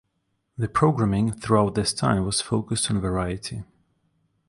The programming throughout this time was focused on variety.